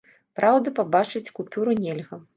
Праўда, пабачыць купюры нельга.